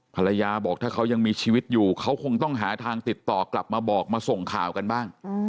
ภรรยาบอกถ้าเขายังมีชีวิตอยู่เขาคงต้องหาทางติดต่อกลับมาบอกมาส่งข่าวกันบ้าง